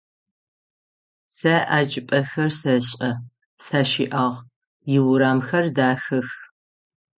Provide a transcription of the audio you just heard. Сэ а чӏыпӏэхэр сэшӏэ, сащыӏагъ, иурамхэр дахэх.